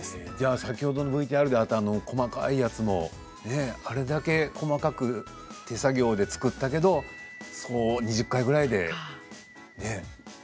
先ほどのＶＴＲであった細かいやつもあれだけ細かく手作業で作ったけど２０回ぐらいで。